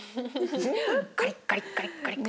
カリッカリッカリッカリッ。